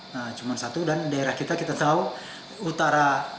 nah cuma satu dan daerah kita kita tahu utara